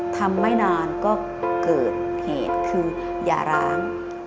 ทำไม่นานก็เกิดเหตุคือยาร้าน